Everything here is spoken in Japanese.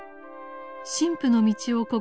神父の道を志し